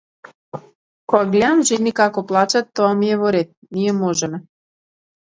Кога глеам жени како плачат - тоа ми е во ред, ние можеме.